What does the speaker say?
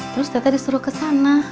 terus data disuruh ke sana